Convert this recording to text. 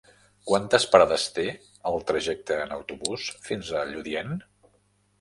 Quantes parades té el trajecte en autobús fins a Lludient?